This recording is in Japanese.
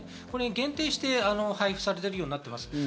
これに限定して配布されているようになっています。